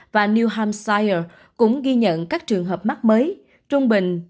và new hampshire cũng ghi nhận các trường hợp mắc mới trung bình